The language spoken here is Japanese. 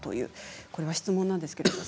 これは質問ですね。